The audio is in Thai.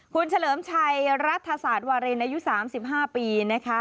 คุณเฉลิมชัยรัฐศาสตร์วารินอายุ๓๕ปีนะคะ